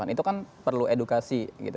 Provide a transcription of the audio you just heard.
itu kan perlu edukasi gitu